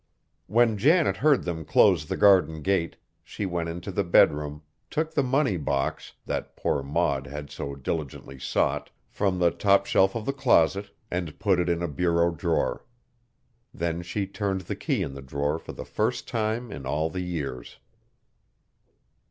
When Janet heard them close the garden gate, she went into the bedroom, took the money box, that poor Maud had so diligently sought, from the top shelf of the closet, and put it in a bureau drawer; then she turned the key in the drawer for the first time in all the years.